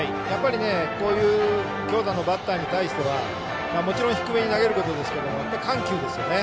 こういう強打のバッターに対してはもちろん低めに投げることですが緩急ですよね。